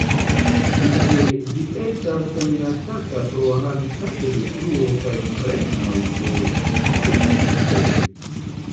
Tie ĝi estas minacata pro habitatodetruo kaj premoj de ĉasistoj.